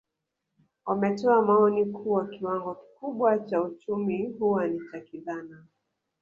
Wametoa maoni kuwa kiwango kikubwa cha uchumi huwa ni cha kidhana